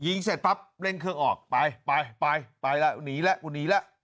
เสร็จปั๊บเร่งเครื่องออกไปไปไปไปแล้วหนีแล้วกูหนีแล้ว